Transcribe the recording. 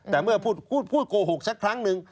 แต่เมื่อพูดโกหกสักครั้งหนึ่ง